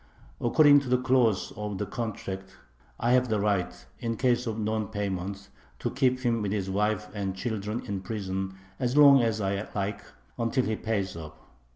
According to the clause of the contract I have the right, in case of non payment, to keep him with his wife and children in prison as long as I like, until he pays up.